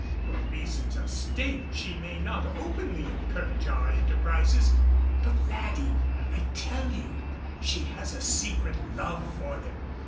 For reasons of state she may not openly encourage our enterprises; but, laddie, I tell you she has a secret love for them.